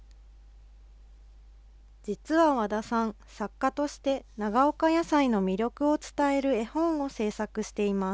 実はわださん、作家として長岡野菜の魅力を伝える絵本を制作しています。